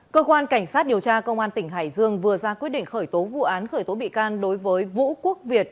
cơ quan cảnh sát điều tra công an tỉnh hải dương vừa ra quyết định khởi tố vụ án khởi tố bị can đối với vũ quốc việt